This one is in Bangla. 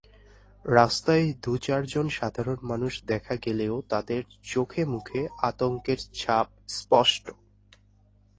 রাস্তায় দু-চারজন সাধারণ মানুষ দেখা গেলেও তাঁদের চোখেমুখে আতঙ্কের ছাপ স্পষ্ট।